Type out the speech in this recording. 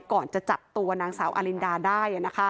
ก่อนจะจับตัวนางสาวอารินดาได้